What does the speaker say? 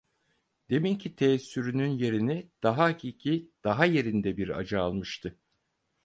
Deminki teessürünün yerini daha hakiki, daha yerinde bir acı almıştı.